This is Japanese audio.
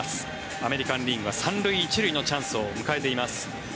アメリカン・リーグは３塁１塁のチャンスを迎えています。